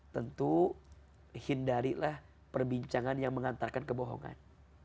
tentu hindarilah perbincangan yang mengantarkan kebohongan